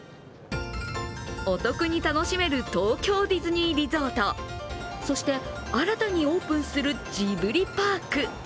お得に楽しめる東京ディズニーリゾート、そして新たにオープンするジブリパーク。